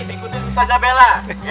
ikutin saja bela